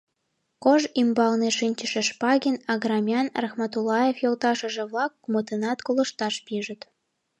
Кож ӱмбалне шинчыше Шпагин, Аграмян, Рахматулаев йолташыже-влак кумытынат колышташ пижыт.